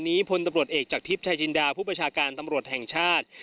พลตำรวจเอกจากทิพย์ชายจินดาผู้ประชาการตำรวจแห่งชาติ